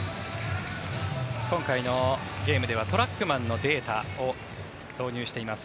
今回のゲームではトラックマンのデータを導入しています。